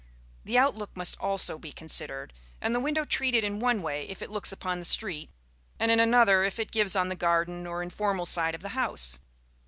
The outlook must also be considered, and the window treated in one way if it looks upon the street, and in another if it gives on the garden or informal side of the house.